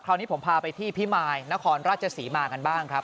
คราวนี้ผมพาไปที่พิมายนครราชศรีมากันบ้างครับ